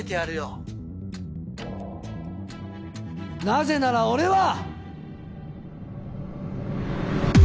なぜなら俺は。